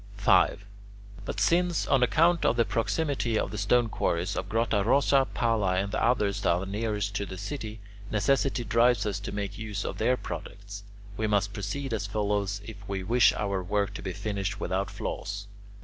5. But since, on account of the proximity of the stone quarries of Grotta Rossa, Palla, and the others that are nearest to the city, necessity drives us to make use of their products, we must proceed as follows, if we wish our work to be finished without flaws.